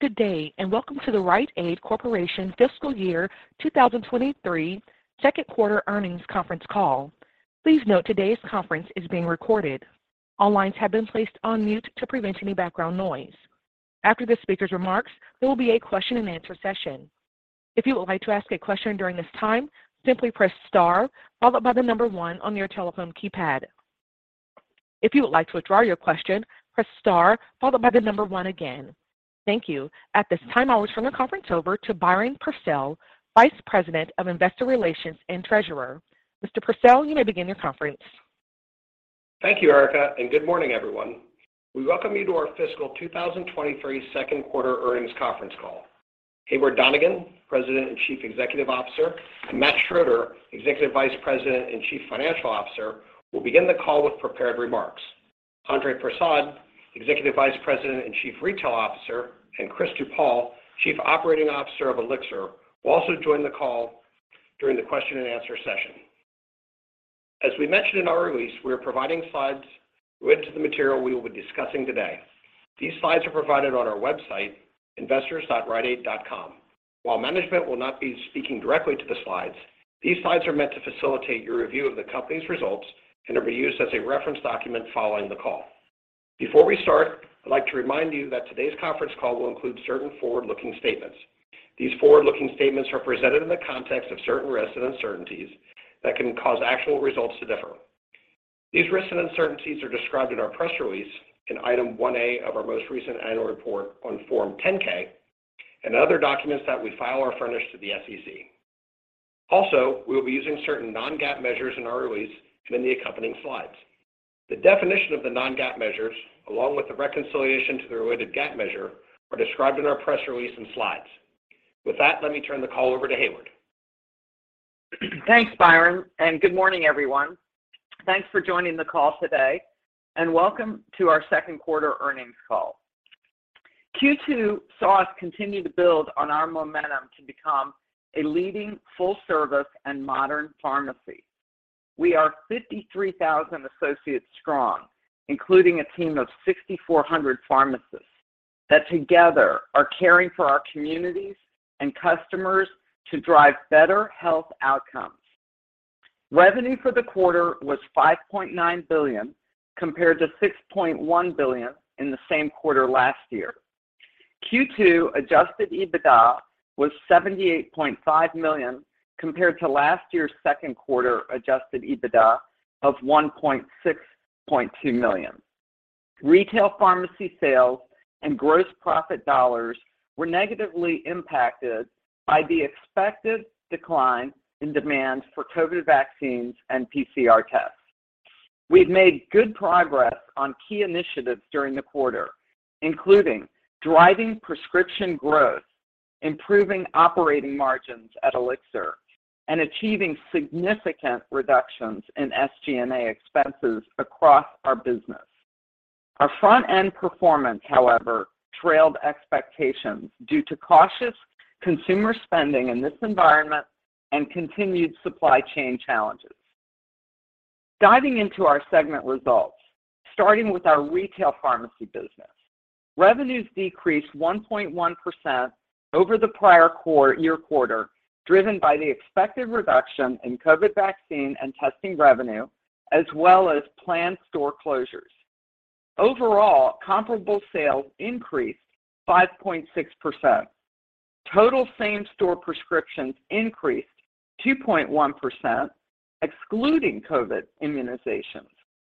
Good day, and welcome to the Rite Aid Corporation Fiscal Year 2023 Second Quarter Earnings Conference Call. Please note today's conference is being recorded. All lines have been placed on mute to prevent any background noise. After the speaker's remarks, there will be a question-and-answer session. If you would like to ask a question during this time, simply press star followed by the number 1 on your telephone keypad. If you would like to withdraw your question, press star followed by the number 1 again. Thank you. At this time, I will turn the conference over to Byron Purcell, Vice President of Investor Relations and Treasurer. Mr. Purcell, you may begin your conference. Thank you, Erica, and good morning, everyone. We welcome you to our fiscal 2023 second quarter earnings conference call. Heyward Donigan, President and Chief Executive Officer, and Matt Schroeder, Executive Vice President and Chief Financial Officer, will begin the call with prepared remarks. Andre Persaud, Executive Vice President and Chief Retail Officer, and Chris DuPaul, Chief Operating Officer of Elixir, will also join the call during the question-and-answer session. As we mentioned in our release, we are providing slides related to the material we will be discussing today. These slides are provided on our website, investors.riteaid.com. While management will not be speaking directly to the slides, these slides are meant to facilitate your review of the company's results and are to be used as a reference document following the call. Before we start, I'd like to remind you that today's conference call will include certain forward-looking statements. These forward-looking statements are presented in the context of certain risks and uncertainties that can cause actual results to differ. These risks and uncertainties are described in our press release in Item 1A of our most recent annual report on Form 10-K and other documents that we file or furnish to the SEC. Also, we will be using certain non-GAAP measures in our release and in the accompanying slides. The definition of the non-GAAP measures along with the reconciliation to their related GAAP measure are described in our press release and slides. With that, let me turn the call over to Heyward. Thanks, Byron, and good morning, everyone. Thanks for joining the call today and welcome to our second quarter earnings call. Q2 saw us continue to build on our momentum to become a leading full-service and modern pharmacy. We are 53,000 associates strong, including a team of 6,400 pharmacists that together are caring for our communities and customers to drive better health outcomes. Revenue for the quarter was $5.9 billion compared to $6.1 billion in the same quarter last year. Q2 adjusted EBITDA was $78.5 million compared to last year's second quarter adjusted EBITDA of $162.2 million. Retail pharmacy sales and gross profit dollars were negatively impacted by the expected decline in demand for COVID vaccines and PCR tests. We've made good progress on key initiatives during the quarter, including driving prescription growth, improving operating margins at Elixir, and achieving significant reductions in SG&A expenses across our business. Our front-end performance, however, trailed expectations due to cautious consumer spending in this environment and continued supply chain challenges. Diving into our segment results, starting with our retail pharmacy business. Revenues decreased 1.1% over the prior-year quarter, driven by the expected reduction in COVID vaccine and testing revenue, as well as planned store closures. Overall, comparable sales increased 5.6%. Total same-store prescriptions increased 2.1%, excluding COVID immunizations,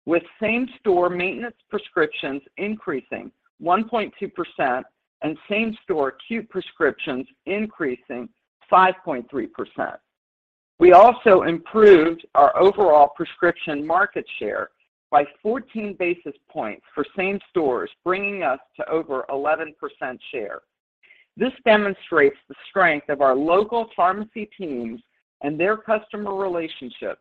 with same-store maintenance prescriptions increasing 1.2% and same-store acute prescriptions increasing 5.3%. We also improved our overall prescription market share by 14 basis points for same stores, bringing us to over 11% share. This demonstrates the strength of our local pharmacy teams and their customer relationships,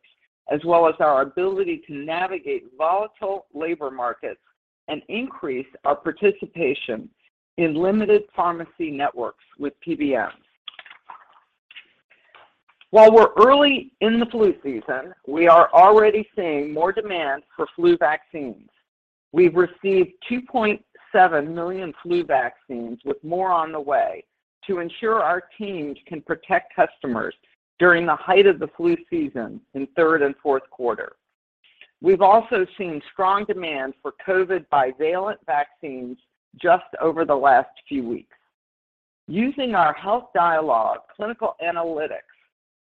as well as our ability to navigate volatile labor markets and increase our participation in limited pharmacy networks with PBMs. While we're early in the flu season, we are already seeing more demand for flu vaccines. We've received 2.7 million flu vaccines, with more on the way to ensure our teams can protect customers during the height of the flu season in third and fourth quarter. We've also seen strong demand for COVID bivalent vaccines just over the last few weeks. Using our Health Dialog clinical analytics,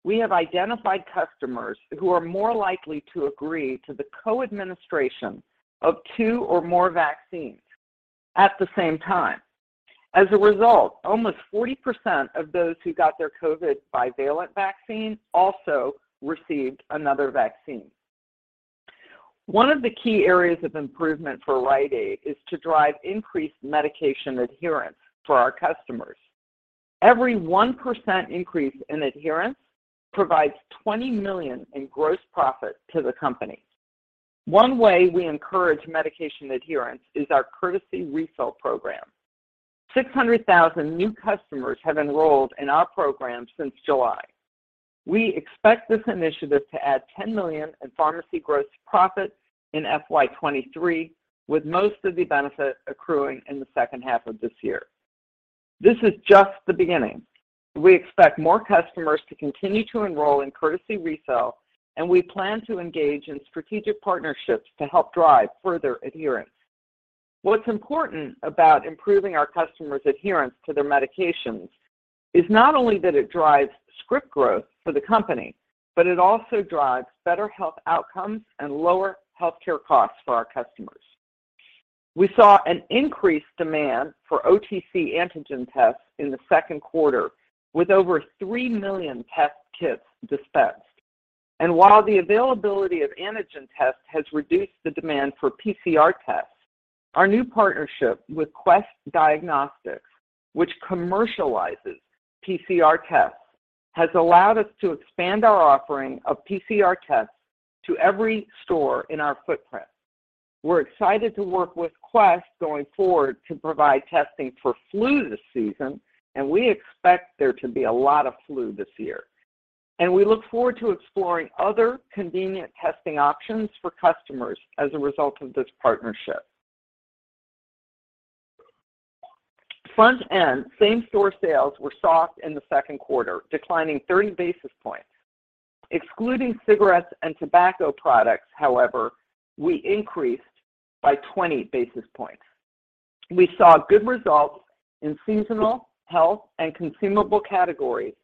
we have identified customers who are more likely to agree to the co-administration of two or more vaccines at the same time. As a result, almost 40% of those who got their COVID bivalent vaccine also received another vaccine. One of the key areas of improvement for Rite Aid is to drive increased medication adherence for our customers. Every 1% increase in adherence provides $20 million in gross profit to the company. One way we encourage medication adherence is our Courtesy Refill program. 600,000 new customers have enrolled in our program since July. We expect this initiative to add $10 million in pharmacy gross profit in FY 2023, with most of the benefit accruing in the second half of this year. This is just the beginning. We expect more customers to continue to enroll in Courtesy Refill, and we plan to engage in strategic partnerships to help drive further adherence. What's important about improving our customers' adherence to their medications is not only that it drives script growth for the company, but it also drives better health outcomes and lower healthcare costs for our customers. We saw an increased demand for OTC antigen tests in the second quarter with over 3 million test kits dispensed. While the availability of antigen tests has reduced the demand for PCR tests, our new partnership with Quest Diagnostics, which commercializes PCR tests, has allowed us to expand our offering of PCR tests to every store in our footprint. We're excited to work with Quest going forward to provide testing for flu this season, and we expect there to be a lot of flu this year. We look forward to exploring other convenient testing options for customers as a result of this partnership. Front-end same-store sales were soft in the second quarter, declining 30 basis points. Excluding cigarettes and tobacco products, however, we increased by 20 basis points. We saw good results in seasonal, health, and consumable categories,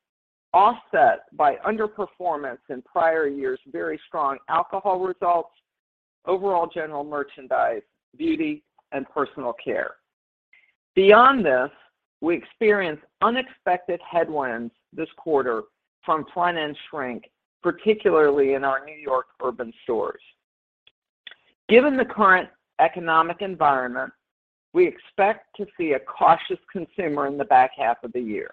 offset by underperformance in prior year's very strong alcohol results, overall general merchandise, beauty, and personal care. Beyond this, we experienced unexpected headwinds this quarter from front-end shrink, particularly in our New York urban stores. Given the current economic environment, we expect to see a cautious consumer in the back half of the year.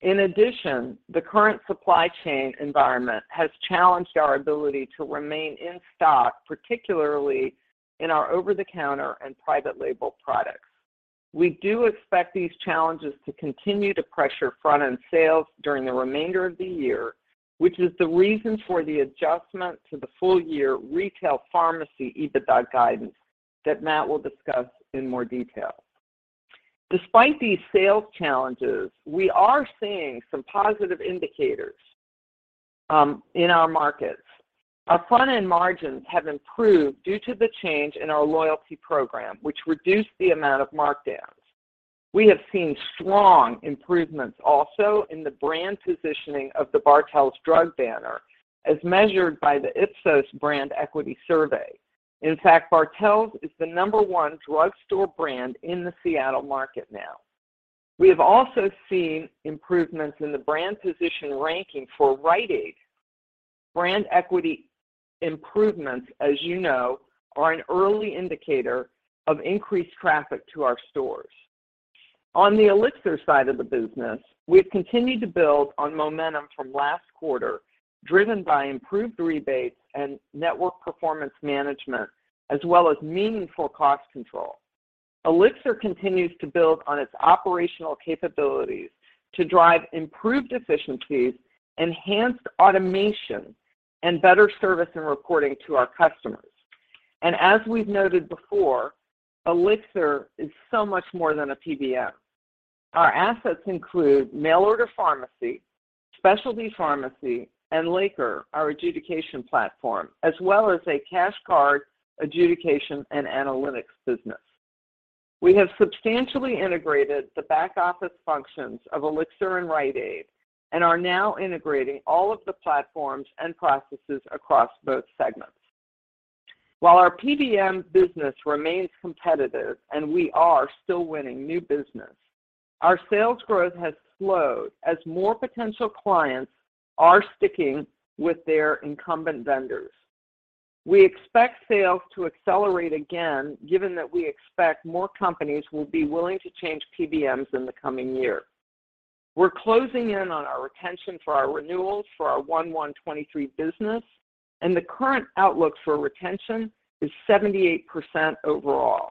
In addition, the current supply chain environment has challenged our ability to remain in stock, particularly in our over-the-counter and private label products. We do expect these challenges to continue to pressure front-end sales during the remainder of the year, which is the reason for the adjustment to the full-year retail pharmacy EBITDA guidance that Matt will discuss in more detail. Despite these sales challenges, we are seeing some positive indicators in our markets. Our front-end margins have improved due to the change in our loyalty program, which reduced the amount of markdowns. We have seen strong improvements also in the brand positioning of the Bartell Drugs banner, as measured by the Ipsos Brand Equity Survey. In fact, Bartell Drugs is the number one drugstore brand in the Seattle market now. We have also seen improvements in the brand position ranking for Rite Aid. Brand equity improvements, as you know, are an early indicator of increased traffic to our stores. On the Elixir side of the business, we've continued to build on momentum from last quarter, driven by improved rebates and network performance management, as well as meaningful cost control. Elixir continues to build on its operational capabilities to drive improved efficiencies, enhanced automation, and better service and reporting to our customers. As we've noted before, Elixir is so much more than a PBM. Our assets include mail order pharmacy, specialty pharmacy, and Laker, our adjudication platform, as well as a cash card, adjudication, and analytics business. We have substantially integrated the back office functions of Elixir and Rite Aid and are now integrating all of the platforms and processes across both segments. While our PBM business remains competitive and we are still winning new business, our sales growth has slowed as more potential clients are sticking with their incumbent vendors. We expect sales to accelerate again, given that we expect more companies will be willing to change PBMs in the coming year. We're closing in on our retention for our renewals for our 2023 business, and the current outlook for retention is 78% overall.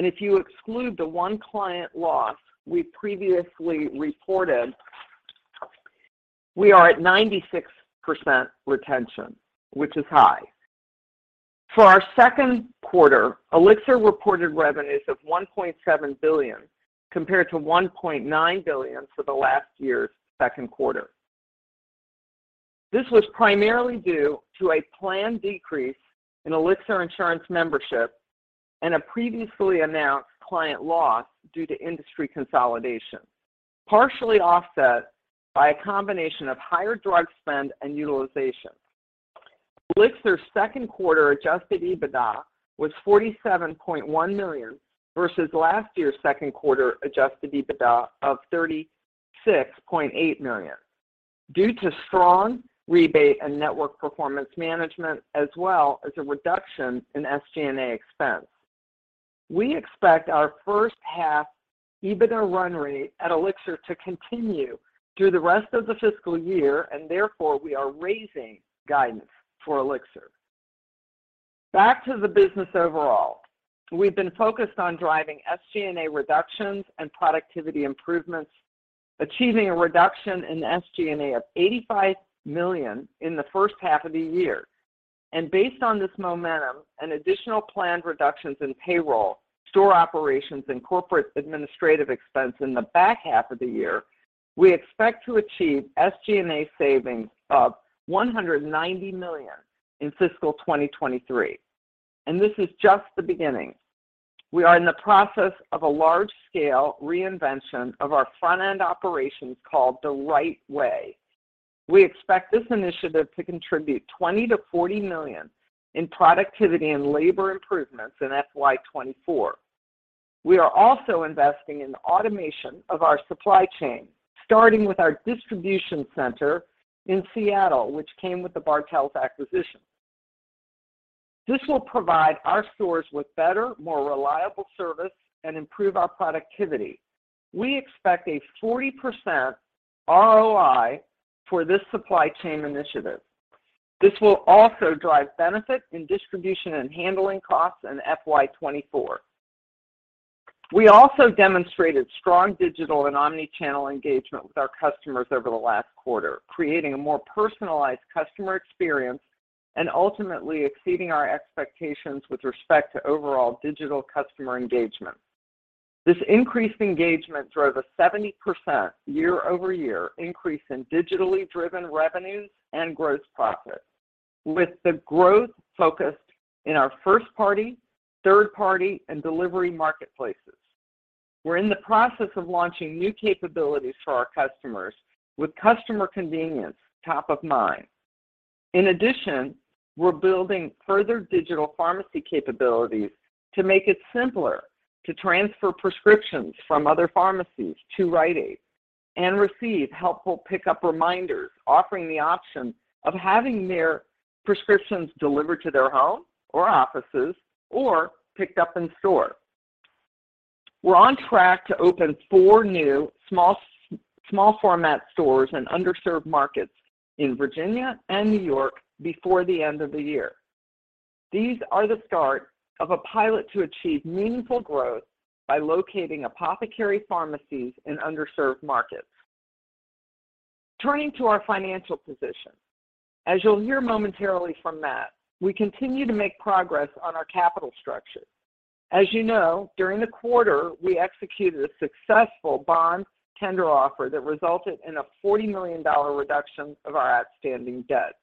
If you exclude the one client loss we previously reported, we are at 96% retention, which is high. For our second quarter, Elixir reported revenues of $1.7 billion, compared to $1.9 billion for last year's second quarter. This was primarily due to a planned decrease in Elixir Insurance membership and a previously announced client loss due to industry consolidation, partially offset by a combination of higher drug spend and utilization. Elixir's second quarter adjusted EBITDA was $47.1 million versus last year's second quarter adjusted EBITDA of $36.8 million due to strong rebate and network performance management, as well as a reduction in SG&A expense. We expect our first half EBITDA run rate at Elixir to continue through the rest of the fiscal year, and therefore, we are raising guidance for Elixir. Back to the business overall. We've been focused on driving SG&A reductions and productivity improvements, achieving a reduction in SG&A of $85 million in the first half of the year. Based on this momentum and additional planned reductions in payroll, store operations, and corporate administrative expense in the back half of the year, we expect to achieve SG&A savings of $190 million in fiscal 2023. This is just the beginning. We are in the process of a large-scale reinvention of our front-end operations called The Right Way. We expect this initiative to contribute $20 million-$40 million in productivity and labor improvements in FY 2024. We are also investing in automation of our supply chain, starting with our distribution center in Seattle, which came with the Bartell's acquisition. This will provide our stores with better, more reliable service and improve our productivity. We expect a 40% ROI for this supply chain initiative. This will also drive benefits in distribution and handling costs in FY 2024. We also demonstrated strong digital and omni-channel engagement with our customers over the last quarter, creating a more personalized customer experience and ultimately exceeding our expectations with respect to overall digital customer engagement. This increased engagement drove a 70% year-over-year increase in digitally driven revenues and gross profit, with the growth focused in our first-party, third-party, and delivery marketplaces. We're in the process of launching new capabilities for our customers with customer convenience top of mind. In addition, we're building further digital pharmacy capabilities to make it simpler to transfer prescriptions from other pharmacies to Rite Aid and receive helpful pickup reminders offering the option of having their prescriptions delivered to their home or offices or picked up in store. We're on track to open 4 new small format stores in underserved markets in Virginia and New York before the end of the year. These are the start of a pilot to achieve meaningful growth by locating apothecary pharmacies in underserved markets. Turning to our financial position. As you'll hear momentarily from Matt, we continue to make progress on our capital structure. As you know, during the quarter, we executed a successful bond tender offer that resulted in a $40 million reduction of our outstanding debt.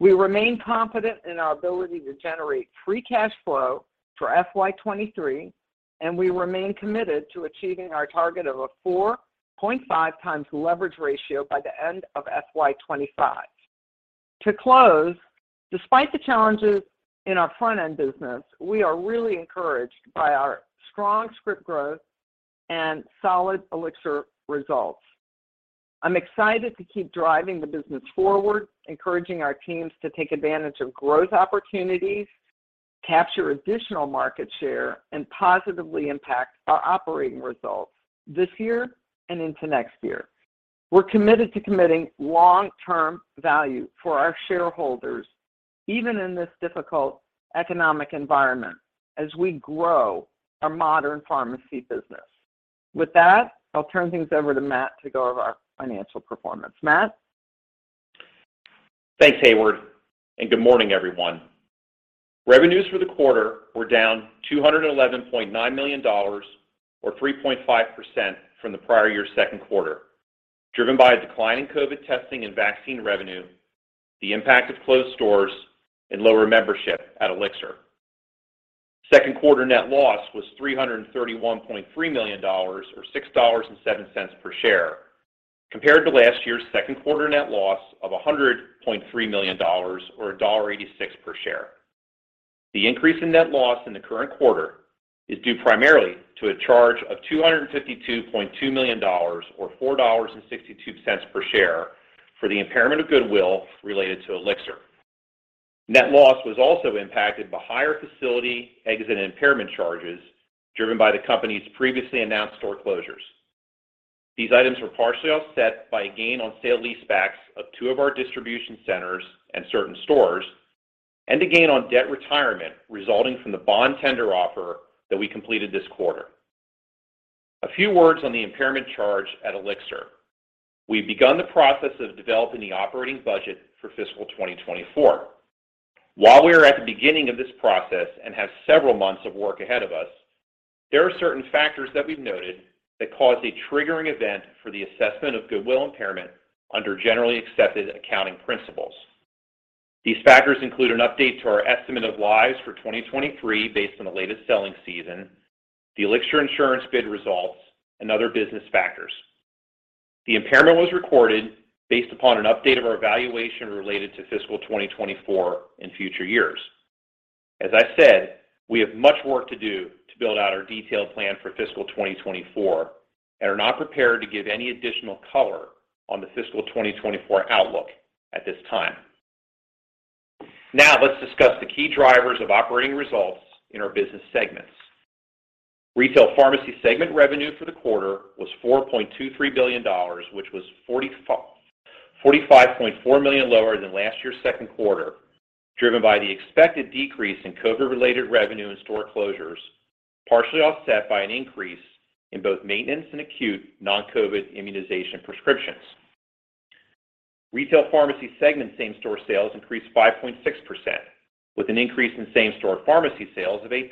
We remain confident in our ability to generate free cash flow for FY 2023, and we remain committed to achieving our target of a 4.5x leverage ratio by the end of FY 2025. To close, despite the challenges in our front-end business, we are really encouraged by our strong script growth and solid Elixir results. I'm excited to keep driving the business forward, encouraging our teams to take advantage of growth opportunities, capture additional market share, and positively impact our operating results this year and into next year. We're committed to committing long-term value for our shareholders, even in this difficult economic environment as we grow our modern pharmacy business. With that, I'll turn things over to Matt to go over our financial performance. Matt? Thanks, Heyward, and good morning, everyone. Revenues for the quarter were down $211.9 million or 3.5% from the prior year's second quarter, driven by a decline in COVID testing and vaccine revenue, the impact of closed stores, and lower membership at Elixir. Second quarter net loss was $331.3 million or $6.07 per share, compared to last year's second quarter net loss of $100.3 million or $1.86 per share. The increase in net loss in the current quarter is due primarily to a charge of $252.2 million or $4.62 per share for the impairment of goodwill related to Elixir. Net loss was also impacted by higher facility exit and impairment charges driven by the company's previously announced store closures. These items were partially offset by a gain on sale-leasebacks of 2 of our distribution centers and certain stores, and a gain on debt retirement resulting from the bond tender offer that we completed this quarter. A few words on the impairment charge at Elixir. We've begun the process of developing the operating budget for fiscal 2024. While we are at the beginning of this process and have several months of work ahead of us, there are certain factors that we've noted that caused a triggering event for the assessment of goodwill impairment under generally accepted accounting principles. These factors include an update to our estimate of lives for 2023 based on the latest selling season, the Elixir insurance bid results, and other business factors. The impairment was recorded based upon an update of our valuation related to fiscal 2024 and future years. As I said, we have much work to do to build out our detailed plan for fiscal 2024 and are not prepared to give any additional color on the fiscal 2024 outlook at this time. Now let's discuss the key drivers of operating results in our business segments. Retail pharmacy segment revenue for the quarter was $4.23 billion, which was $45.4 million lower than last year's second quarter, driven by the expected decrease in COVID-related revenue and store closures, partially offset by an increase in both maintenance and acute non-COVID immunization prescriptions. Retail pharmacy segment same-store sales increased 5.6%, with an increase in same-store pharmacy sales of 8%.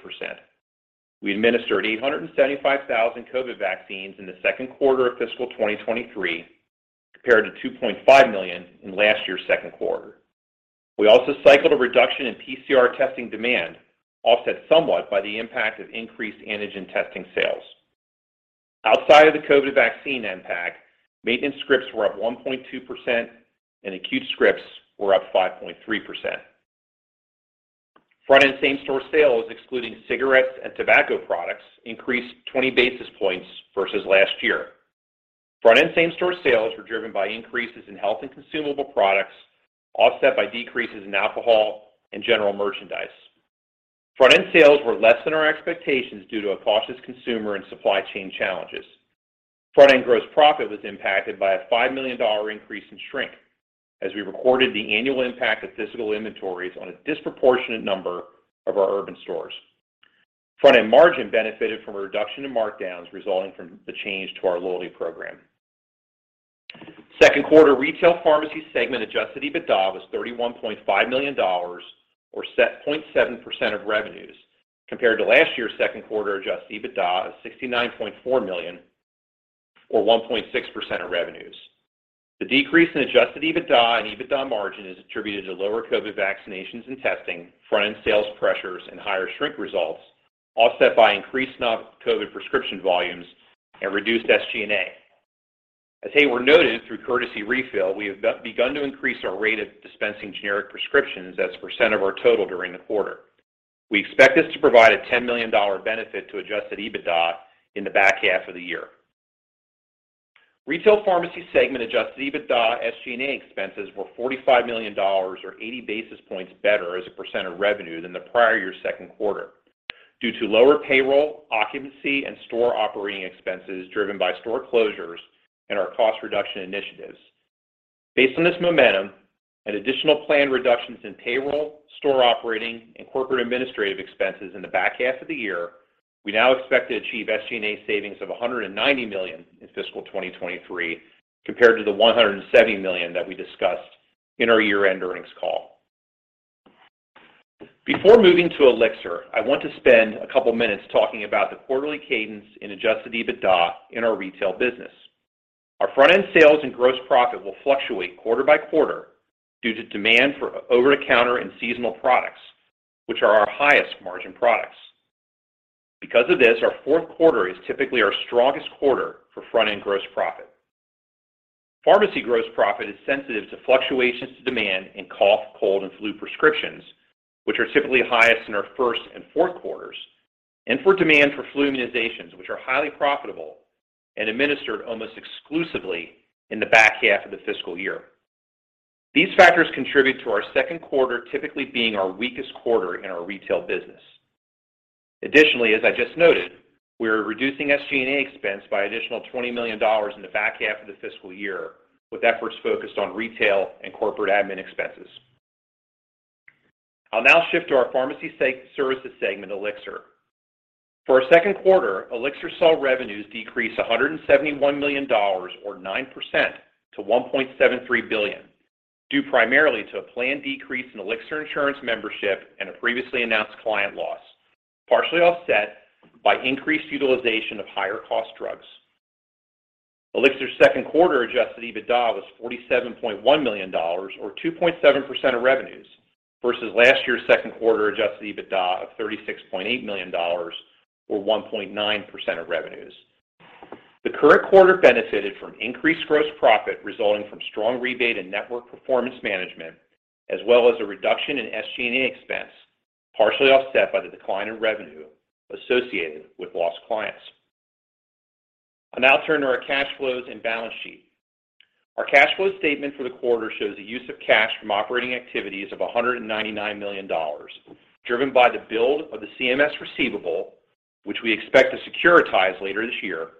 We administered 875,000 COVID vaccines in the second quarter of fiscal 2023, compared to 2.5 million in last year's second quarter. We also cycled a reduction in PCR testing demand, offset somewhat by the impact of increased antigen testing sales. Outside of the COVID vaccine impact, maintenance scripts were up 1.2% and acute scripts were up 5.3%. Front-end same-store sales, excluding cigarettes and tobacco products, increased 20 basis points versus last year. Front-end same-store sales were driven by increases in health and consumable products, offset by decreases in alcohol and general merchandise. Front-end sales were less than our expectations due to a cautious consumer and supply chain challenges. Front-end gross profit was impacted by a $5 million increase in shrink, as we recorded the annual impact of physical inventories on a disproportionate number of our urban stores. Front-end margin benefited from a reduction in markdowns resulting from the change to our loyalty program. Second quarter retail pharmacy segment adjusted EBITDA was $31.5 million, or 6.7% of revenues, compared to last year's second quarter adjusted EBITDA of $69.4 million, or 1.6% of revenues. The decrease in adjusted EBITDA and EBITDA margin is attributed to lower COVID vaccinations and testing, front-end sales pressures, and higher shrink results, offset by increased non-COVID prescription volumes and reduced SG&A. As Heyward noted through Courtesy Refill, we have begun to increase our rate of dispensing generic prescriptions as a percent of our total during the quarter. We expect this to provide a $10 million benefit to adjusted EBITDA in the back half of the year. Retail pharmacy segment adjusted EBITDA SG&A expenses were $45 million, or 80 basis points better as a percent of revenue than the prior year's second quarter, due to lower payroll, occupancy, and store operating expenses driven by store closures and our cost reduction initiatives. Based on this momentum and additional planned reductions in payroll, store operating, and corporate administrative expenses in the back half of the year, we now expect to achieve SG&A savings of $190 million in fiscal 2023, compared to the $170 million that we discussed in our year-end earnings call. Before moving to Elixir, I want to spend a couple minutes talking about the quarterly cadence in adjusted EBITDA in our retail business. Our front-end sales and gross profit will fluctuate quarter by quarter due to demand for over-the-counter and seasonal products, which are our highest margin products. Because of this, our fourth quarter is typically our strongest quarter for front-end gross profit. Pharmacy gross profit is sensitive to fluctuations in demand in cough, cold, and flu prescriptions, which are typically highest in our first and fourth quarters, and for demand for flu immunizations, which are highly profitable and administered almost exclusively in the back half of the fiscal year. These factors contribute to our second quarter typically being our weakest quarter in our retail business. Additionally, as I just noted, we are reducing SG&A expense by an additional $20 million in the back half of the fiscal year, with efforts focused on retail and corporate admin expenses. I'll now shift to our pharmacy services segment, Elixir. For our second quarter, Elixir saw revenues decrease $171 million, or 9%, to $1.73 billion, due primarily to a planned decrease in Elixir Insurance membership and a previously announced client loss, partially offset by increased utilization of higher-cost drugs. Elixir's second quarter adjusted EBITDA was $47.1 million, or 2.7% of revenues, versus last year's second quarter adjusted EBITDA of $36.8 million, or 1.9% of revenues. The current quarter benefited from increased gross profit resulting from strong rebate and network performance management, as well as a reduction in SG&A expense, partially offset by the decline in revenue associated with lost clients. I'll now turn to our cash flows and balance sheet. Our cash flow statement for the quarter shows a use of cash from operating activities of $199 million, driven by the build of the CMS receivable, which we expect to securitize later this year,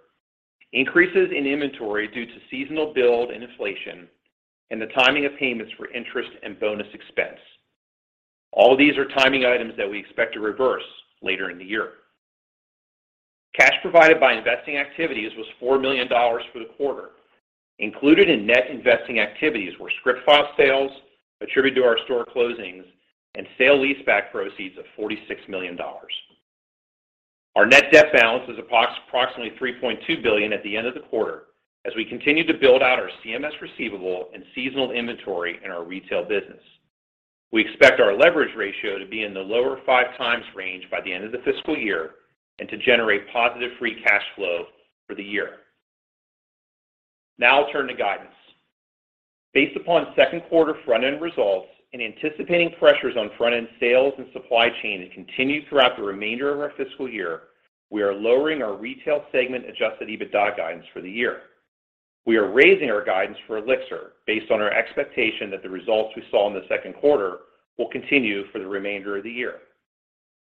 increases in inventory due to seasonal build and inflation, and the timing of payments for interest and bonus expense. All of these are timing items that we expect to reverse later in the year. Cash provided by investing activities was $4 million for the quarter. Included in net investing activities were script file sales attributed to our store closings and sale leaseback proceeds of $46 million. Our net debt balance is approximately $3.2 billion at the end of the quarter, as we continue to build out our CMS receivable and seasonal inventory in our retail business. We expect our leverage ratio to be in the lower 5x range by the end of the fiscal year and to generate positive free cash flow for the year. Now I'll turn to guidance. Based upon second quarter front-end results and anticipating pressures on front-end sales and supply chain to continue throughout the remainder of our fiscal year, we are lowering our retail segment adjusted EBITDA guidance for the year. We are raising our guidance for Elixir based on our expectation that the results we saw in the second quarter will continue for the remainder of the year.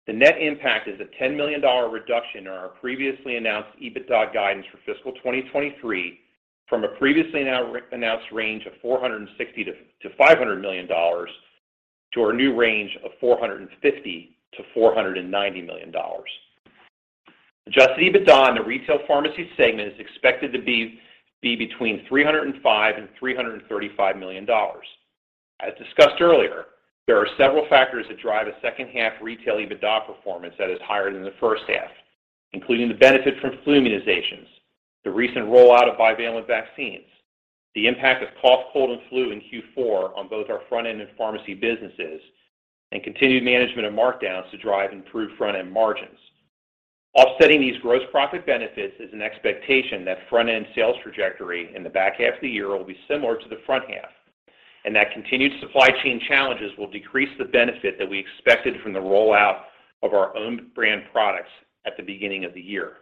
The net impact is a $10 million reduction in our previously announced EBITDA guidance for fiscal 2023 from a previously announced range of $460 million-$500 million to our new range of $450 million-$490 million. Adjusted EBITDA in the retail pharmacy segment is expected to be between $305 million and $335 million. As discussed earlier, there are several factors that drive a second half retail EBITDA performance that is higher than the first half, including the benefit from flu immunizations, the recent rollout of bivalent vaccines, the impact of cough, cold, and flu in Q4 on both our front-end and pharmacy businesses, and continued management of markdowns to drive improved front-end margins. Offsetting these gross profit benefits is an expectation that front-end sales trajectory in the back half of the year will be similar to the front half, and that continued supply chain challenges will decrease the benefit that we expected from the rollout of our own brand products at the beginning of the year.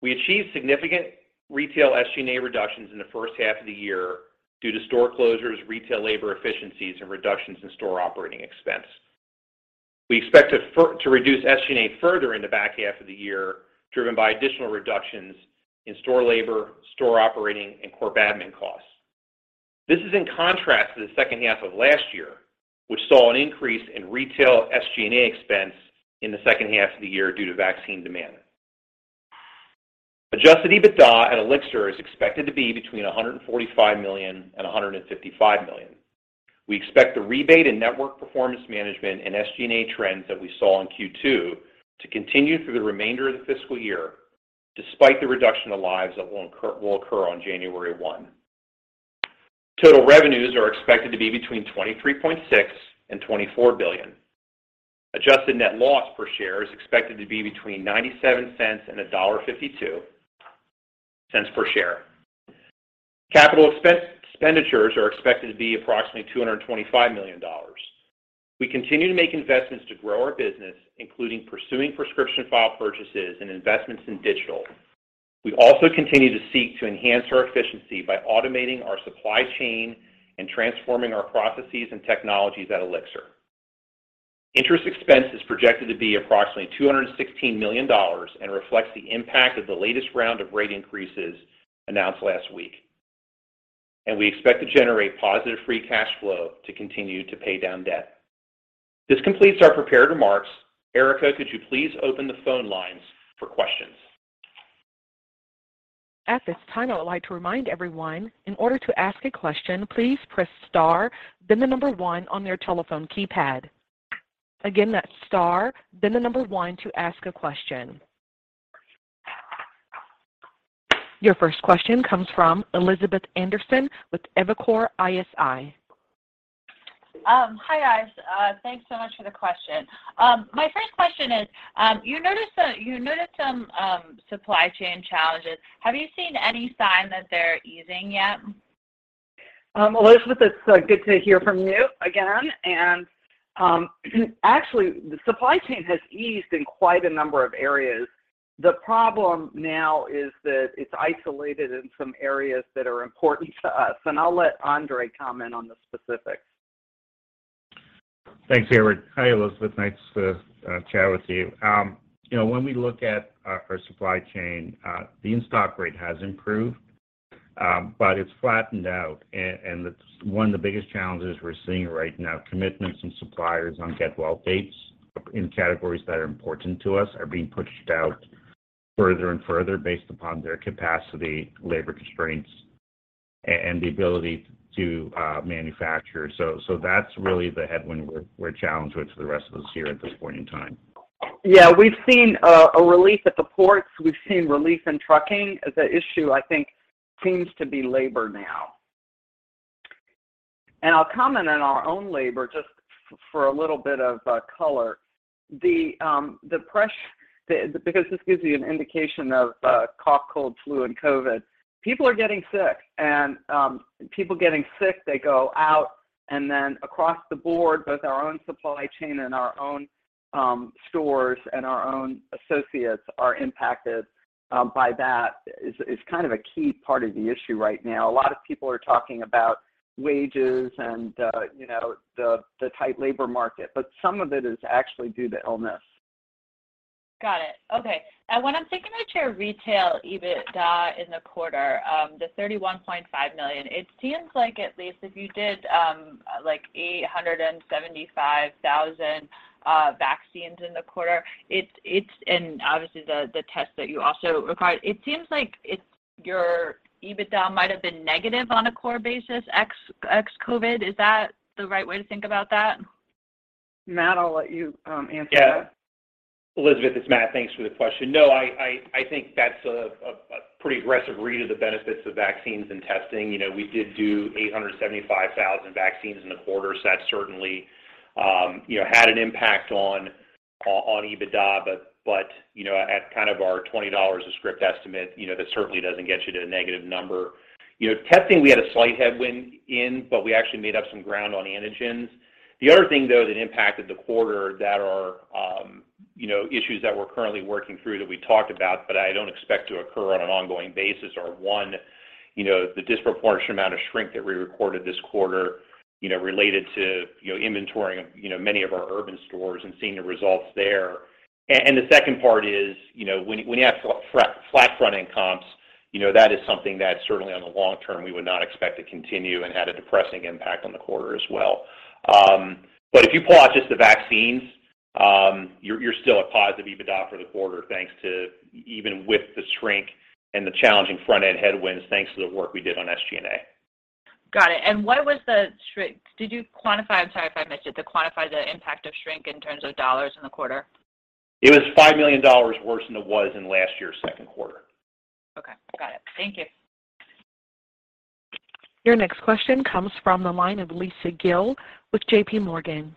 We achieved significant retail SG&A reductions in the first half of the year due to store closures, retail labor efficiencies, and reductions in store operating expense. We expect to reduce SG&A further in the back half of the year, driven by additional reductions in store labor, store operating, and core admin costs. This is in contrast to the second half of last year, which saw an increase in retail SG&A expense in the second half of the year due to vaccine demand. Adjusted EBITDA at Elixir is expected to be between $145 million and $155 million. We expect the rebate and network performance management and SG&A trends that we saw in Q2 to continue through the remainder of the fiscal year, despite the reduction of lives that will occur on January one. Total revenues are expected to be between $23.6 billion and $24 billion. Adjusted net loss per share is expected to be between $0.97 and $1.52 per share. Capital expenditures are expected to be approximately $225 million. We continue to make investments to grow our business, including pursuing prescription file purchases and investments in digital. We also continue to seek to enhance our efficiency by automating our supply chain and transforming our processes and technologies at Elixir. Interest expense is projected to be approximately $216 million and reflects the impact of the latest round of rate increases announced last week. We expect to generate positive free cash flow to continue to pay down debt. This completes our prepared remarks. Erin, could you please open the phone lines for questions? At this time, I would like to remind everyone, in order to ask a question, please press star, then the number one on your telephone keypad. Again, that's star, then the number one to ask a question. Your first question comes from Elizabeth Anderson with Evercore ISI. Hi, guys. Thanks so much for the question. My first question is, you noted some supply chain challenges. Have you seen any sign that they're easing yet? Elizabeth, it's good to hear from you again. Actually, the supply chain has eased in quite a number of areas. The problem now is that it's isolated in some areas that are important to us, and I'll let Andre comment on the specifics. Thanks, Erica. Hi, Elizabeth. Nice to chat with you. You know, when we look at our supply chain, the in-stock rate has improved, but it's flattened out. One of the biggest challenges we're seeing right now, commitments from suppliers on get well dates in categories that are important to us are being pushed out further and further based upon their capacity, labor constraints, and the ability to manufacture. That's really the headwind we're challenged with for the rest of this year at this point in time. Yeah. We've seen a relief at the ports. We've seen relief in trucking. The issue I think seems to be labor now. I'll comment on our own labor just for a little bit of color. Because this gives you an indication of cough, cold, flu, and COVID. People are getting sick, they go out, and then across the board, both our own supply chain and our own stores and our own associates are impacted by that. It's kind of a key part of the issue right now. A lot of people are talking about wages and you know, the tight labor market, but some of it is actually due to illness. Got it. Okay. When I'm thinking about your retail EBITDA in the quarter, the $31.5 million, it seems like at least if you did like 875,000 vaccines in the quarter, and obviously the tests that you also require, it seems like your EBITDA might have been negative on a core basis, ex-COVID. Is that the right way to think about that? Matt, I'll let you answer that. Yeah. Elizabeth, it's Matt. Thanks for the question. No, I think that's a pretty aggressive read of the benefits of vaccines and testing. You know, we did do 875,000 vaccines in the quarter, so that certainly, you know, had an impact on EBITDA. But, you know, at kind of our $20 a script estimate, you know, that certainly doesn't get you to a negative number. You know, testing, we had a slight headwind in, but we actually made up some ground on antigens. The other thing, though, that impacted the quarter that our, you know, issues that we're currently working through that we talked about, but I don't expect to occur on an ongoing basis are one, you know, the disproportionate amount of shrink that we recorded this quarter, you know, related to, you know, inventorying, you know, many of our urban stores and seeing the results there. The second part is, you know, when you have flat front-end comps, you know, that is something that certainly on the long term we would not expect to continue and had a depressing impact on the quarter as well. If you pull out just the vaccines, you're still a positive EBITDA for the quarter, thanks to even with the shrink and the challenging front-end headwinds, thanks to the work we did on SG&A. Got it. What was the shrink? Did you quantify the impact of shrink in terms of dollars in the quarter? I'm sorry if I missed it. It was $5 million worse than it was in last year's second quarter. Okay. Got it. Thank you. Your next question comes from the line of Lisa Gill with JPMorgan.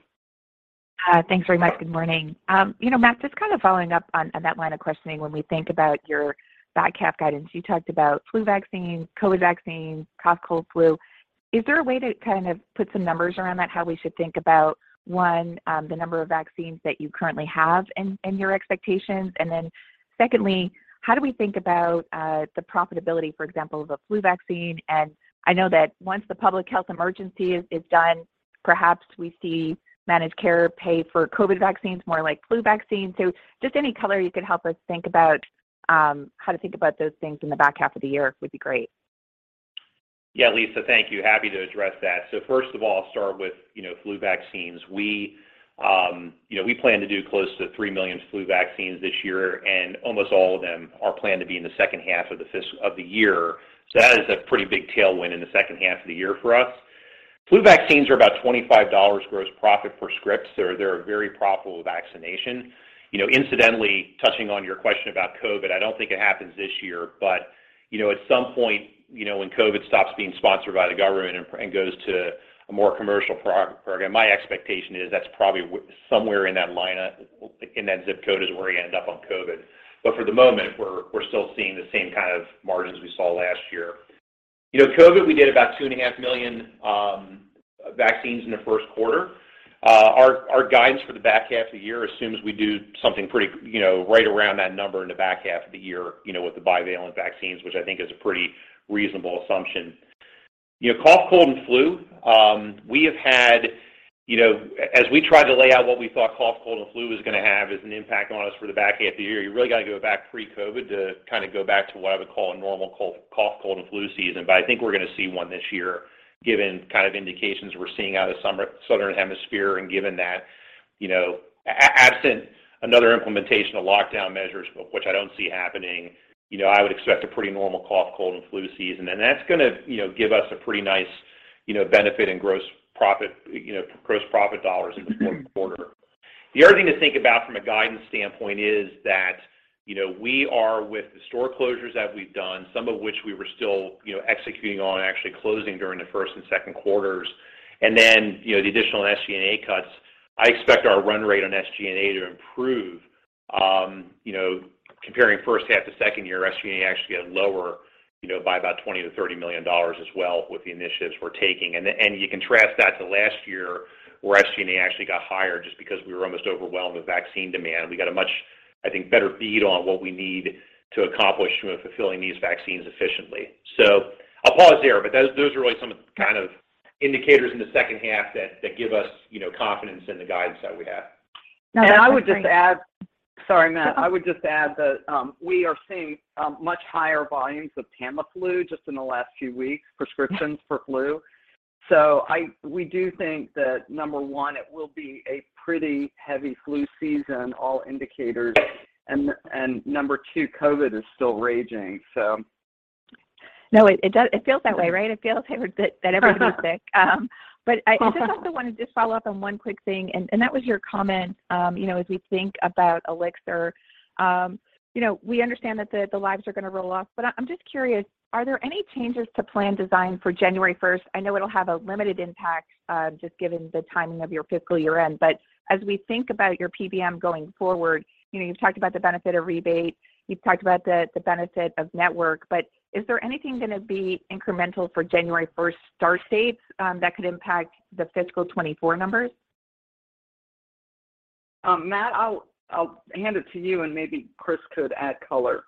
Hi. Thanks very much. Good morning. You know, Matt, just kind of following up on that line of questioning, when we think about your back half guidance, you talked about flu vaccine, COVID vaccine, cough, cold, flu. Is there a way to kind of put some numbers around that, how we should think about, one, the number of vaccines that you currently have and your expectations? And then secondly, how do we think about the profitability, for example, of a flu vaccine? And I know that once the public health emergency is done, perhaps we see managed care pay for COVID vaccines more like flu vaccines. Just any color you could help us think about how to think about those things in the back half of the year would be great. Yeah, Lisa, thank you. Happy to address that. First of all, I'll start with, you know, flu vaccines. We, you know, we plan to do close to 3 million flu vaccines this year, and almost all of them are planned to be in the second half of the year. That is a pretty big tailwind in the second half of the year for us. Flu vaccines are about $25 gross profit per script. They're a very profitable vaccination. You know, incidentally, touching on your question about COVID, I don't think it happens this year, but, you know, at some point, you know, when COVID stops being sponsored by the government and goes to a more commercial program, my expectation is that's probably somewhere in that line, in that zip code is where you end up on COVID. For the moment, we're still seeing the same kind of margins we saw last year. You know, COVID, we did about 2.5 million vaccines in the first quarter. Our guidance for the back half of the year assumes we do something pretty, you know, right around that number in the back half of the year, you know, with the bivalent vaccines, which I think is a pretty reasonable assumption. You know, cough, cold, and flu, we have had, you know, as we tried to lay out what we thought cough, cold, and flu was gonna have as an impact on us for the back half of the year, you really got to go back pre-COVID to kind of go back to what I would call a normal cough, cold, and flu season. I think we're gonna see one this year, given kind of indications we're seeing out of southern hemisphere and given that, you know, absent another implementation of lockdown measures, which I don't see happening, you know, I would expect a pretty normal cough, cold, and flu season. That's gonna, you know, give us a pretty nice, you know, benefit in gross profit, you know, gross profit dollars in the fourth quarter. The other thing to think about from a guidance standpoint is that, you know, we are with the store closures that we've done, some of which we were still, you know, executing on and actually closing during the first and second quarters, and then, you know, the additional SG&A cuts. I expect our run rate on SG&A to improve, you know, comparing first half to second half, SG&A actually got lower, you know, by about $20 million-$30 million as well with the initiatives we're taking. You contrast that to last year, where SG&A actually got higher just because we were almost overwhelmed with vaccine demand. We got a much, I think, better bead on what we need to accomplish when fulfilling these vaccines efficiently. I'll pause there, but those are really some of the kind of indicators in the second half that give us, you know, confidence in the guidance that we have. No, that's great. Sorry, Matt. I would just add that we are seeing much higher volumes of Tamiflu just in the last few weeks, prescriptions for flu. We do think that, number one, it will be a pretty heavy flu season, all indicators. Number two, COVID is still raging, so. No, it feels that way, right? It feels that everybody's sick. I just also wanted to just follow up on one quick thing, and that was your comment, you know, as we think about Elixir, you know, we understand that the lives are gonna roll off, but I'm just curious, are there any changes to plan design for January first? I know it'll have a limited impact, just given the timing of your fiscal year end. As we think about your PBM going forward, you know, you've talked about the benefit of rebate, you've talked about the benefit of network, but is there anything gonna be incremental for January first start dates, that could impact the fiscal 2024 numbers? Matt, I'll hand it to you, and maybe Chris could add color.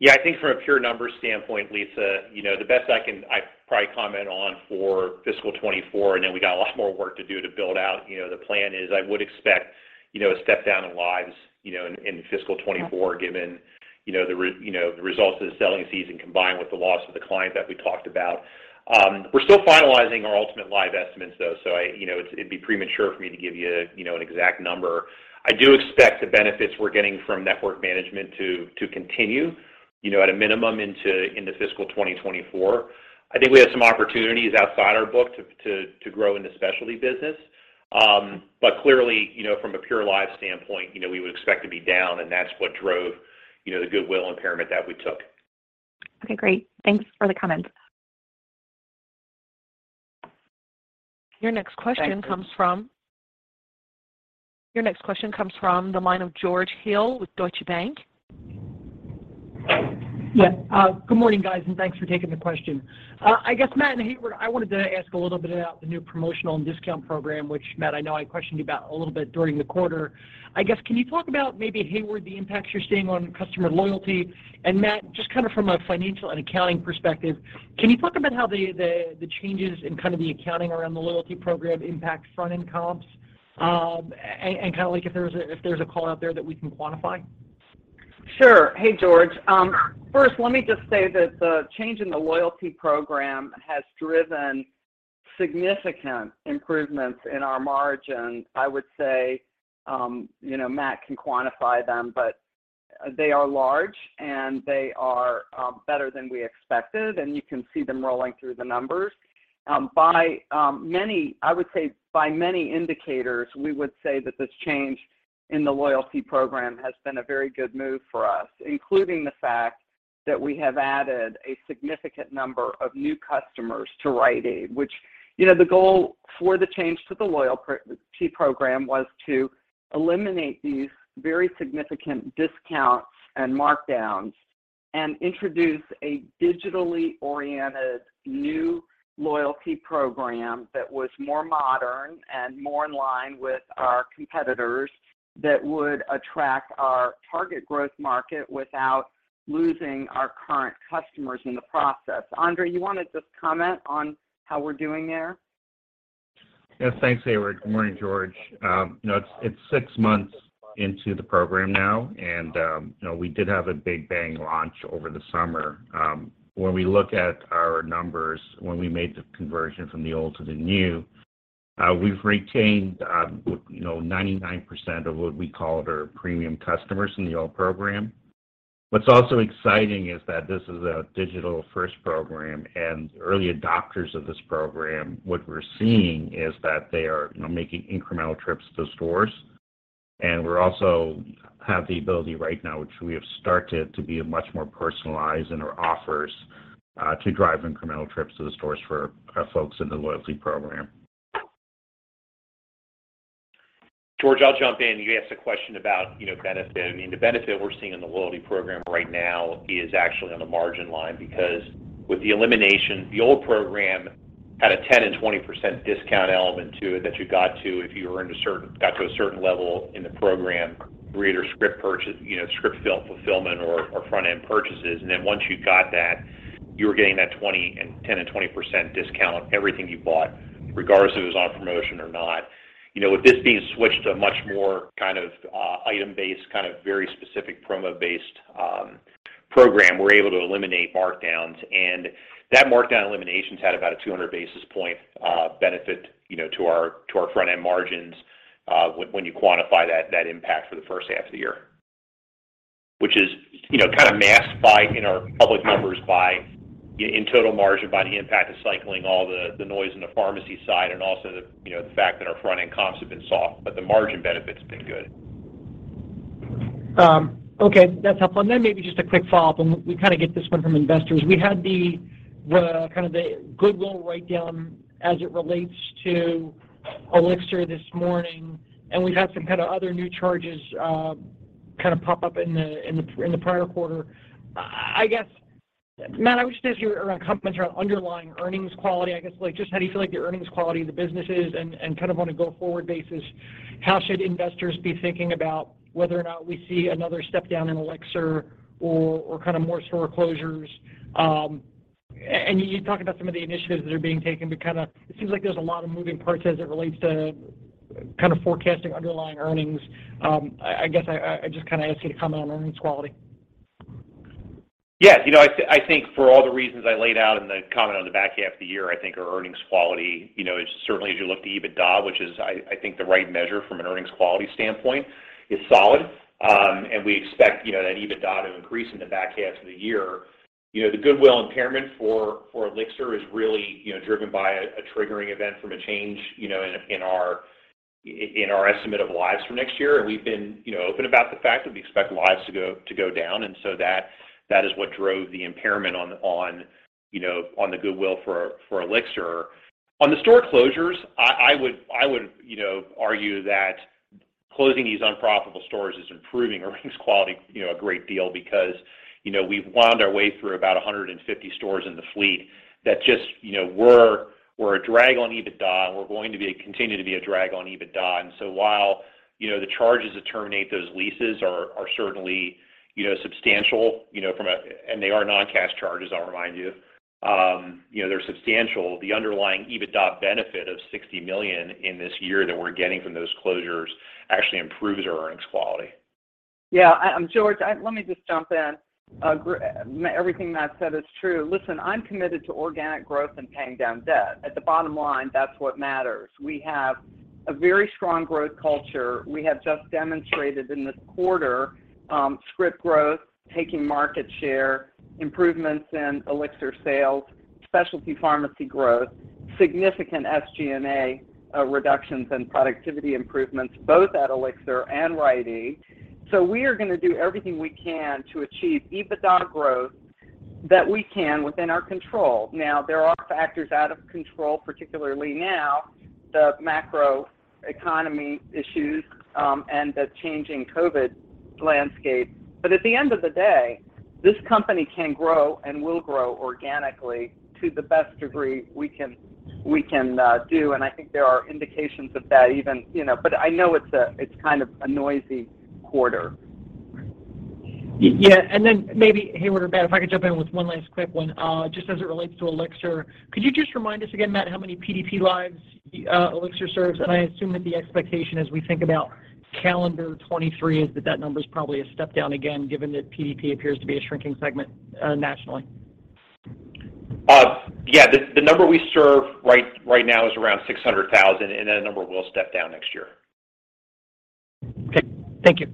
Yeah. I think from a pure numbers standpoint, Lisa, you know, the best I can, I probably comment on for fiscal 2024, I know we got a lot more work to do to build out, you know, the plan is I would expect, you know, a step down in lives, you know, in fiscal 2024 given, you know, the results of the selling season combined with the loss of the client that we talked about. We're still finalizing our ultimate lives estimates though, so I, you know, it'd be premature for me to give you know, an exact number. I do expect the benefits we're getting from network management to continue, you know, at a minimum into fiscal 2024. I think we have some opportunities outside our book to grow in the specialty business. Clearly, you know, from a pure live standpoint, you know, we would expect to be down, and that's what drove, you know, the goodwill impairment that we took. Okay, great. Thanks for the comments. Your next question comes from. Thanks. Your next question comes from the line of George Hill with Deutsche Bank. Good morning, guys, and thanks for taking the question. I guess, Matt and Heyward, I wanted to ask a little bit about the new promotional and discount program, which, Matt, I know I questioned you about a little bit during the quarter. I guess, can you talk about maybe, Heyward, the impacts you're seeing on customer loyalty? And Matt, just kinda from a financial and accounting perspective, can you talk about how the changes in kind of the accounting around the loyalty program impacts front-end comps, and kinda like if there's a call out there that we can quantify? Sure. Hey, George. First, let me just say that the change in the loyalty program has driven significant improvements in our margin. I would say, you know, Matt can quantify them, but they are large, and they are better than we expected, and you can see them rolling through the numbers. I would say by many indicators, we would say that this change in the loyalty program has been a very good move for us, including the fact that we have added a significant number of new customers to Rite Aid, which, you know, the goal for the change to the loyalty program was to eliminate these very significant discounts and markdowns and introduce a digitally-oriented new loyalty program that was more modern and more in line with our competitors that would attract our target growth market without losing our current customers in the process. Andre, you wanna just comment on how we're doing there? Yes. Thanks, Heyward. Good morning, George. You know, it's six months into the program now, and you know, we did have a big bang launch over the summer. When we look at our numbers, when we made the conversion from the old to the new, we've retained you know, 99% of what we call our premium customers in the old program. What's also exciting is that this is a digital-first program, and early adopters of this program, what we're seeing is that they are you know, making incremental trips to stores, and we're also have the ability right now, which we have started to be much more personalized in our offers to drive incremental trips to the stores for our folks in the loyalty program. George, I'll jump in. You asked a question about, you know, benefit. I mean, the benefit we're seeing in the loyalty program right now is actually on the margin line because with the elimination, the old program had a 10% and 20% discount element to it that you got to if you got to a certain level in the program via your you know, script fill-fulfillment or front-end purchases. Once you got that, you were getting that 10% and 20% discount on everything you bought, regardless if it was on promotion or not. You know, with this being switched to a much more kind of item-based, kind of very specific promo-based program, we're able to eliminate markdowns. That markdown elimination's had about a 200 basis points benefit, you know, to our front-end margins, when you quantify that impact for the first half of the year, which is you know kinda masked by, in our public numbers by on total margin by the impact of cycling all the noise in the pharmacy side and also you know the fact that our front-end comps have been soft. The margin benefit's been good. Okay. That's helpful. Maybe just a quick follow-up, and we kind of get this one from investors. We had the kind of the goodwill write-down as it relates to Elixir this morning, and we've had some kind of other new charges, kind of pop up in the prior quarter. I guess, Matt, I want to ask you about comments around underlying earnings quality. I guess, like, just how do you feel like the earnings quality of the business is? And kind of on a go-forward basis, how should investors be thinking about whether or not we see another step down in Elixir or kind of more store closures? You talked about some of the initiatives that are being taken, but kinda it seems like there's a lot of moving parts as it relates to kind of forecasting underlying earnings. I guess I'd just kinda ask you to comment on earnings quality. Yes. You know, I think for all the reasons I laid out in the comment on the back half of the year, I think our earnings quality, you know, is certainly as you look to EBITDA, which is, I think the right measure from an earnings quality standpoint, is solid. We expect, you know, that EBITDA to increase in the back half of the year. You know, the goodwill impairment for Elixir is really, you know, driven by a triggering event from a change, you know, in our estimate of lives from next year. We've been, you know, open about the fact that we expect lives to go down. That is what drove the impairment on the goodwill for Elixir. On the store closures, I would, you know, argue that closing these unprofitable stores is improving earnings quality, you know, a great deal because, you know, we've wound our way through about 150 stores in the fleet that just, you know, were a drag on EBITDA and were going to continue to be a drag on EBITDA. While, you know, the charges to terminate those leases are certainly, you know, substantial, you know, and they are non-cash charges, I'll remind you. You know, they're substantial. The underlying EBITDA benefit of $60 million in this year that we're getting from those closures actually improves our earnings quality. Yeah. George, let me just jump in. Everything Matt said is true. Listen, I'm committed to organic growth and paying down debt. At the bottom line, that's what matters. We have a very strong growth culture. We have just demonstrated in this quarter, script growth, taking market share, improvements in Elixir sales, specialty pharmacy growth, significant SG&A reductions and productivity improvements both at Elixir and Rite Aid. We are gonna do everything we can to achieve EBITDA growth that we can within our control. Now, there are factors out of control, particularly now, the macro economy issues, and the changing COVID landscape. At the end of the day, this company can grow and will grow organically to the best degree we can do. I think there are indications of that even. You know, I know it's kind of a noisy quarter. Yeah. Maybe Heyward or Matt, if I could jump in with one last quick one, just as it relates to Elixir. Could you just remind us again, Matt, how many PDP lives Elixir serves? I assume that the expectation as we think about calendar 2023 is that that number is probably a step down again, given that PDP appears to be a shrinking segment nationally. The number we serve right now is around 600,000, and that number will step down next year. Okay. Thank you.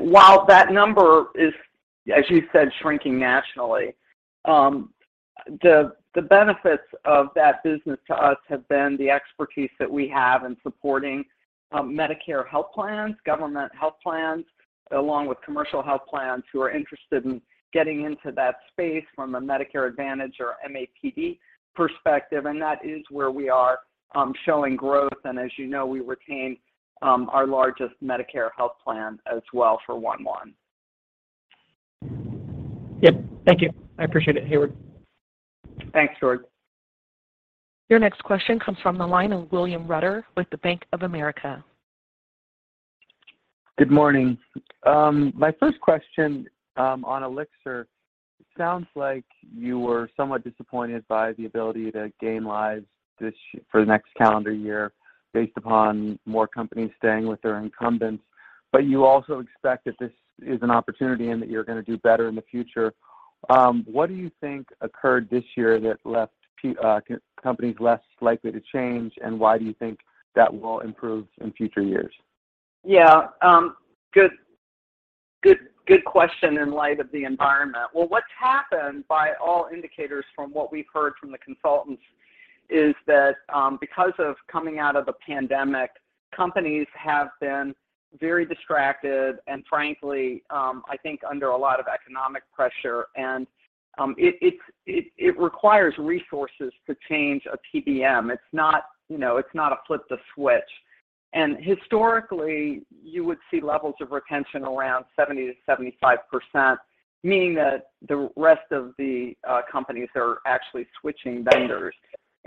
While that number is, as you said, shrinking nationally, the benefits of that business to us have been the expertise that we have in supporting Medicare health plans, government health plans, along with commercial health plans who are interested in getting into that space from a Medicare Advantage or MAPD perspective, and that is where we are showing growth. As you know, we retain our largest Medicare health plan as well for one. Yep. Thank you. I appreciate it, Heyward. Thanks, George. Your next question comes from the line of William Reuter with the Bank of America. Good morning. My first question on Elixir, it sounds like you were somewhat disappointed by the ability to gain lives for the next calendar year based upon more companies staying with their incumbents. You also expect that this is an opportunity and that you're gonna do better in the future. What do you think occurred this year that left companies less likely to change, and why do you think that will improve in future years? Yeah, good question in light of the environment. Well, what's happened by all indicators from what we've heard from the consultants is that, because of coming out of the pandemic, companies have been very distracted and frankly, I think under a lot of economic pressure. It requires resources to change a PBM. It's not, you know, it's not a flip the switch. Historically, you would see levels of retention around 70%-75%, meaning that the rest of the companies are actually switching vendors.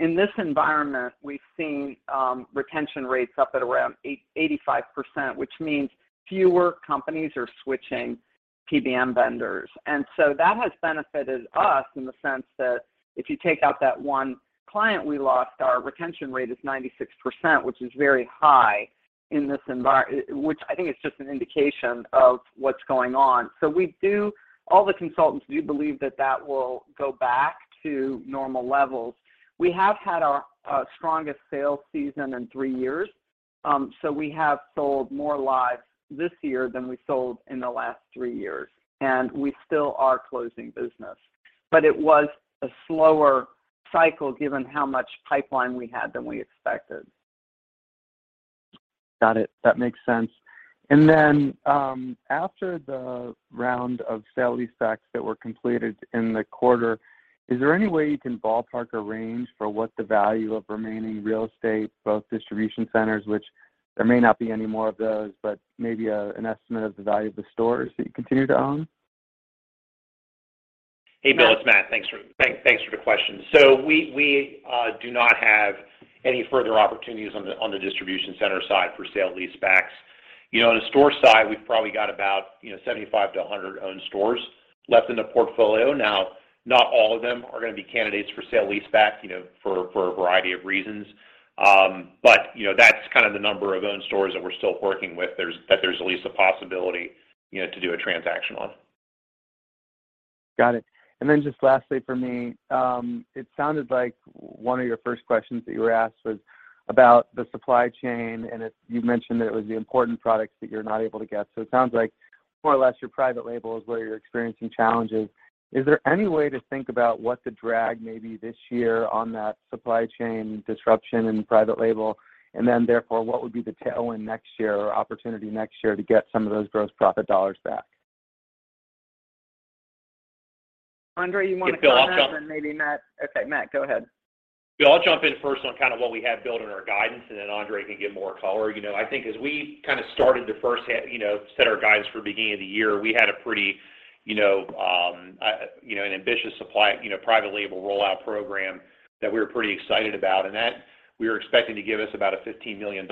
In this environment, we've seen retention rates up at around 85%, which means fewer companies are switching PBM vendors. That has benefited us in the sense that if you take out that one client we lost, our retention rate is 96%, which is very high in this environment. Which I think is just an indication of what's going on. All the consultants do believe that will go back to normal levels. We have had our strongest sales season in three years, so we have sold more lives this year than we sold in the last three years, and we still are closing business. It was a slower cycle given how much pipeline we had than we expected. Got it. That makes sense. After the round of sale-leasebacks that were completed in the quarter, is there any way you can ballpark a range for what the value of remaining real estate, both distribution centers, which there may not be any more of those, but maybe, an estimate of the value of the stores that you continue to own? Hey, Bill, it's Matt. Thanks for the question. So we do not have any further opportunities on the distribution center side for sale-leasebacks. You know, on the store side, we've probably got about 75-100 owned stores left in the portfolio. Now, not all of them are gonna be candidates for sale-leaseback, you know, for a variety of reasons. But, you know, that's kind of the number of owned stores that we're still working with. There's at least a possibility, you know, to do a transaction on. Got it. Just lastly from me, it sounded like one of your first questions that you were asked was about the supply chain, and you mentioned that it was the important products that you're not able to get. It sounds like more or less your private label is where you're experiencing challenges. Is there any way to think about what the drag may be this year on that supply chain disruption in private label? Therefore, what would be the tailwind next year or opportunity next year to get some of those gross profit dollars back? Andre, you wanna comment? Yeah, Bill, I'll jump- Maybe Matt. Okay, Matt, go ahead. Bill, I'll jump in first on kind of what we have built in our guidance, and then Andre can give more color. You know, I think as we kind of started to set our guidance for beginning of the year, we had a pretty you know an ambitious supply you know private label rollout program that we were pretty excited about, and that we were expecting to give us about a $15 million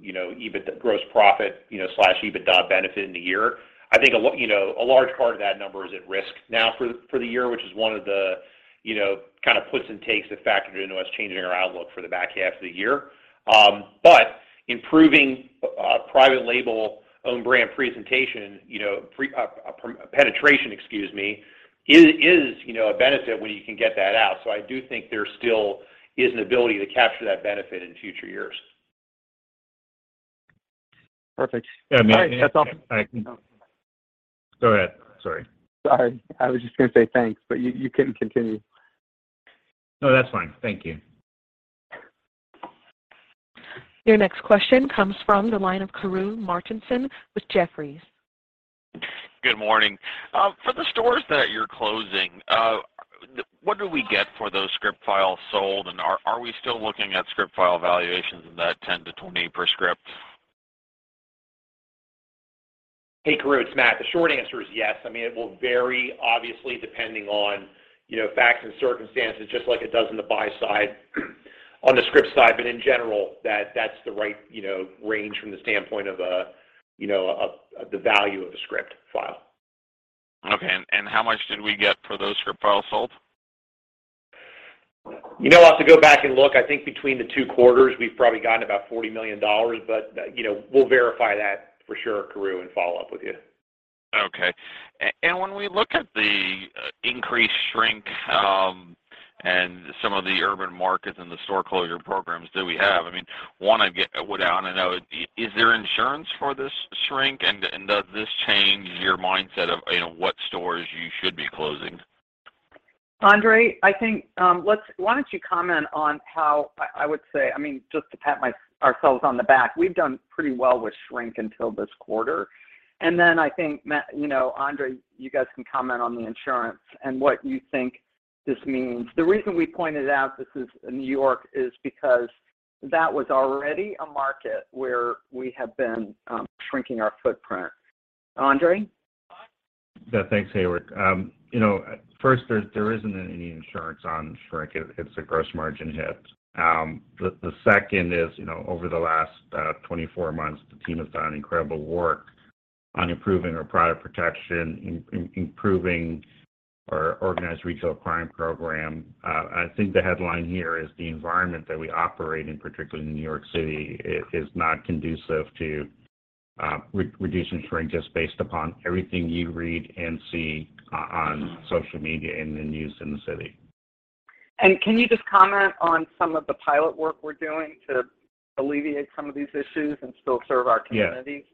you know gross profit you know slash EBITDA benefit in the year. I think you know a large part of that number is at risk now for the year, which is one of the you know kind of puts and takes that factored into us changing our outlook for the back half of the year. Improving private label own brand presentation, you know, penetration, excuse me, is, you know, a benefit when you can get that out. I do think there still is an ability to capture that benefit in future years. Perfect. Yeah, Matt, can you? All right, that's all. All right. Go ahead. Sorry. Sorry. I was just gonna say thanks, but you can continue. No, that's fine. Thank you. Your next question comes from the line of Karru Martinson with Jefferies. Good morning. For the stores that you're closing, what do we get for those script files sold, and are we still looking at script file valuations in that $10-$20 per script? Hey, Karru, it's Matt. The short answer is yes. I mean, it will vary obviously depending on, you know, facts and circumstances, just like it does on the buy side, on the script side. In general, that's the right, you know, range from the standpoint of, you know, the value of a script file. Okay. How much did we get for those script files sold? You know, I'll have to go back and look. I think between the two quarters, we've probably gotten about $40 million. You know, we'll verify that for sure, Karru, and follow up with you. Okay. When we look at the increased shrink and some of the urban markets and the store closure programs that we have, I mean, one I wanna know is there insurance for this shrink? Does this change your mindset of, you know, what stores you should be closing? Andre, I think, let's why don't you comment on how, I would say, I mean, just to pat ourselves on the back, we've done pretty well with shrink until this quarter. Then I think Matt, you know, Andre, you guys can comment on the insurance and what you think this means. The reason we pointed out this is New York is because that was already a market where we have been shrinking our footprint. Andre? Yeah, thanks, Heyward. You know, first, there isn't any insurance on shrink. It's a gross margin hit. The second is, you know, over the last 24 months, the team has done incredible work on improving our product protection, improving our organized retail crime program. I think the headline here is the environment that we operate in, particularly in New York City, is not conducive to reducing shrink just based upon everything you read and see on social media and the news in the city. Can you just comment on some of the pilot work we're doing to alleviate some of these issues and still serve our communities?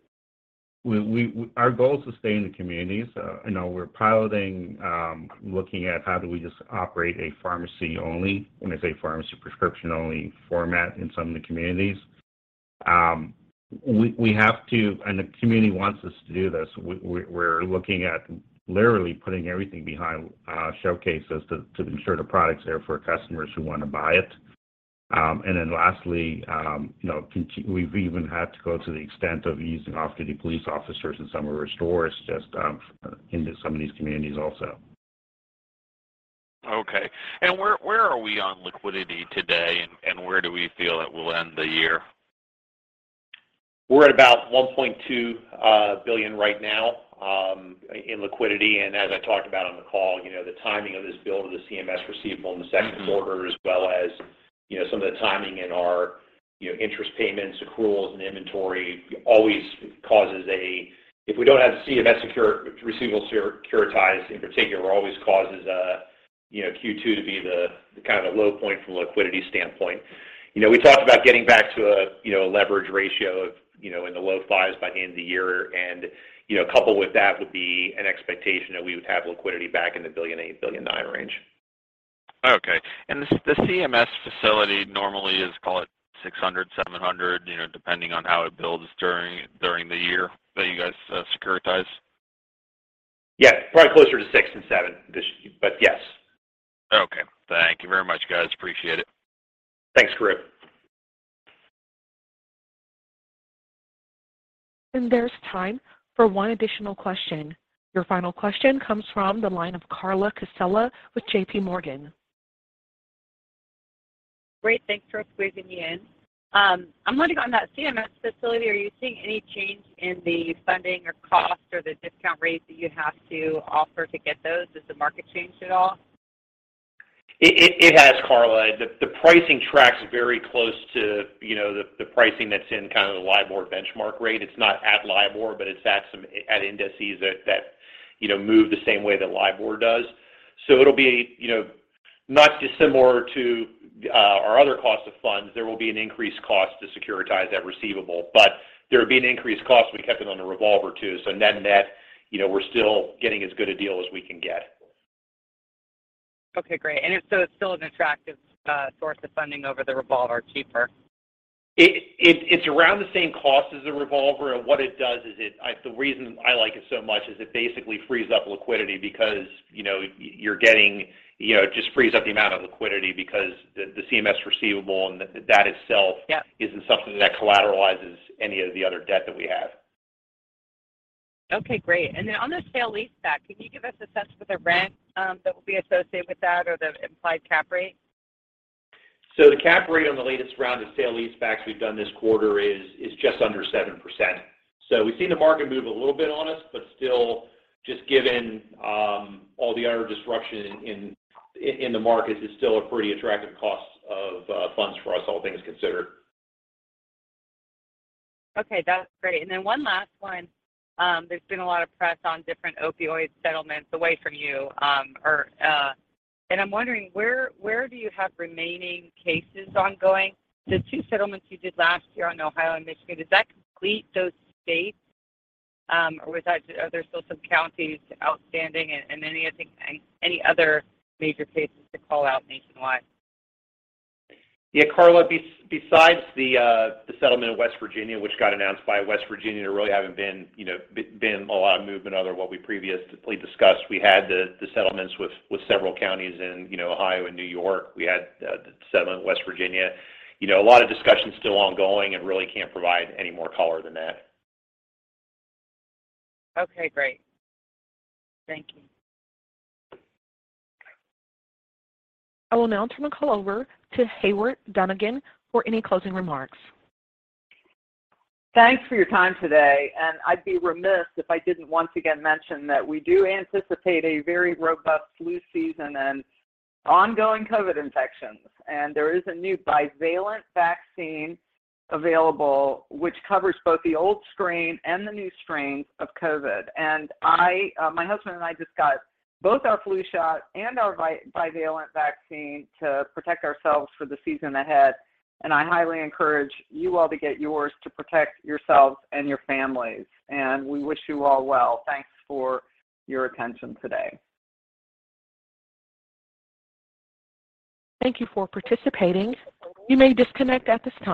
Our goal is to stay in the communities. You know, we're piloting, looking at how do we just operate a pharmacy only, and it's a pharmacy prescription only format in some of the communities. We have to, and the community wants us to do this, we're looking at literally putting everything behind showcases to ensure the product's there for customers who wanna buy it. Lastly, you know, we've even had to go to the extent of using off-duty police officers in some of our stores just in some of these communities also. Okay. Where are we on liquidity today, and where do we feel it will end the year? We're at about $1.2 billion right now in liquidity. As I talked about on the call, you know, the timing of this build of the CMS receivable in the second quarter as well as, you know, some of the timing in our, you know, interest payments, accruals, and inventory always causes Q2 to be the kind of low point from a liquidity standpoint if we don't have the CMS secured receivable securitized in particular. You know, we talked about getting back to a, you know, a leverage ratio of, you know, in the low fives by the end of the year. Coupled with that would be an expectation that we would have liquidity back in the $1.8-$1.9 billion range. Okay. The CMS facility normally is, call it 600, 700, you know, depending on how it builds during the year that you guys securitize? Yeah. Probably closer to six than seven, but yes. Okay. Thank you very much, guys. Appreciate it. Thanks, Karru. There's time for one additional question. Your final question comes from the line of Carla Casella with JPMorgan. Great. Thanks for squeezing me in. I'm wondering on that CMS facility, are you seeing any change in the funding or cost or the discount rates that you have to offer to get those? Has the market changed at all? It has, Carla. The pricing tracks very close to, you know, the pricing that's in kind of the LIBOR benchmark rate. It's not at LIBOR, but it's at some indices that, you know, move the same way that LIBOR does. It'll be, you know, not dissimilar to our other cost of funds. There will be an increased cost to securitize that receivable. There would be an increased cost if we kept it on a revolver, too. Net-net, you know, we're still getting as good a deal as we can get. Okay, great. It's still an attractive source of funding over the revolver, cheaper? It's around the same cost as a revolver. What it does is it. The reason I like it so much is it basically frees up liquidity because, you know, you're getting, you know, just frees up the amount of liquidity because the CMS receivable and that itself. Yep Isn't something that collateralizes any of the other debt that we have. Okay, great. On the sale-leaseback, can you give us a sense for the rent that will be associated with that or the implied cap rate? The cap rate on the latest round of sale leasebacks we've done this quarter is just under 7%. We've seen the market move a little bit on us, but still, just given all the other disruption in the markets, it's still a pretty attractive cost of funds for us, all things considered. Okay, that's great. Then one last one. There's been a lot of press on different opioid settlements away from you. I'm wondering where you have remaining cases ongoing? The two settlements you did last year on Ohio and Michigan, does that complete those states, or are there still some counties outstanding and any, I think, any other major cases to call out nationwide? Yeah, Carla, besides the settlement in West Virginia, which got announced by West Virginia, there really haven't been, you know, a lot of movement, other than what we previously discussed. We had the settlements with several counties in, you know, Ohio and New York. We had the settlement in West Virginia. You know, a lot of discussions still ongoing and really can't provide any more color than that. Okay, great. Thank you. I will now turn the call over to Heyward Donigan for any closing remarks. Thanks for your time today, and I'd be remiss if I didn't once again mention that we do anticipate a very robust flu season and ongoing COVID infections. There is a new bivalent vaccine available which covers both the old strain and the new strain of COVID. I, my husband and I just got both our flu shot and our bivalent vaccine to protect ourselves for the season ahead, and I highly encourage you all to get yours to protect yourselves and your families. We wish you all well. Thanks for your attention today. Thank you for participating. You may disconnect at this time.